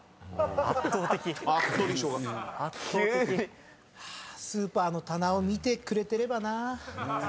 圧倒的「しょうが」スーパーの棚を見てくれてればな。